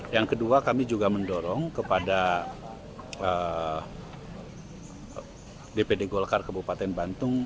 yang kedua kami juga mendorong kepada dpd golkar kebupaten